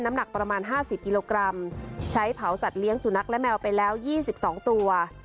น้ำหนักประมาณห้าสิบกิโลกรัมใช้เผาสัตว์เลี้ยงสูนักและแมวไปแล้วยี่สิบสองตัว